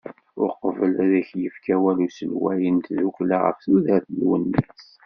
Uqbel ad d-yefk awal uselway n tdukkla ɣef tudert n Lwennas.